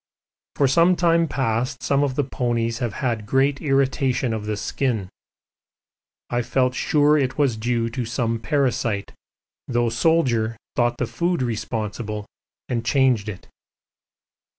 For some time past some of the ponies have had great irritation of the skin. I felt sure it was due to some parasite, though the Soldier thought the food responsible and changed it.